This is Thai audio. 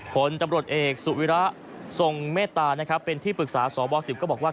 ผลตำรวจเอกสุวิระทรงเมตตานะครับเป็นที่ปรึกษาสบ๑๐ก็บอกว่า